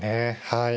はい。